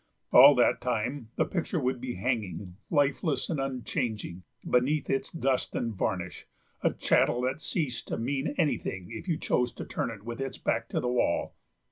All that time the picture would be hanging, lifeless and unchanging, beneath its dust and varnish, a chattel that ceased to mean anything if you chose to turn it with its back to the wall.